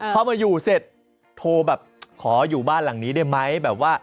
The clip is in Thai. พอมาอยู่เสร็จโทรแบบขออยู่บ้านหลังนี้ได้ไหมแบบว่า